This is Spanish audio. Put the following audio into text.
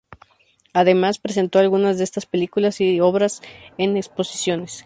Además, presentó algunas de estas películas y otras obras en exposiciones.